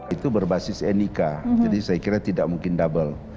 itu berbasis nik jadi saya kira tidak mungkin double